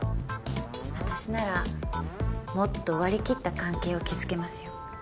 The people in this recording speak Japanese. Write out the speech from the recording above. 私ならもっと割り切った関係を築けますよ